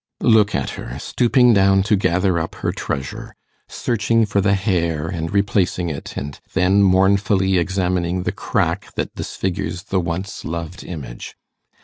Look at her stooping down to gather up her treasure, searching for the hair and replacing it, and then mournfully examining the crack that disfigures the once loved image.